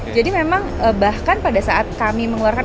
jadi memang bahkan pada saat kami mengeluarkan